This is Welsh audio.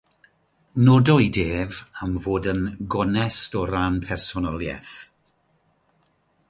Nodwyd ef am fod yn gonest o ran personoliaeth.